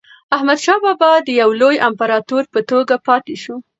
احمدشاه بابا د یو لوی امپراتور په توګه پاتې شو.